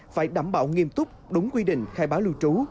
phải đảm bảo nghiêm túc đúng quy định khai báo lưu trú